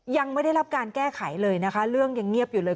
ยังไม่ได้รับการแก้ไขเลยนะคะเรื่องยังเงียบอยู่เลย